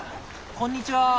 こんにちは。